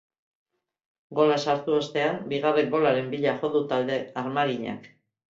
Gola sartu ostean, bigarren golaren bila jo du talde armaginak.